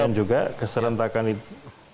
demikian juga keserentakan itu